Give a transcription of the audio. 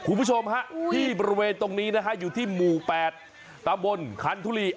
คุณผู้ชมฮะที่บริเวณตรงนี้นะฮะอยู่ที่หมู่๘ตำบลคันทุรี